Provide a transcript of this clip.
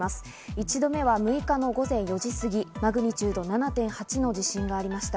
１度目は６日の午前４時すぎ、マグニチュード７．８の地震がありました。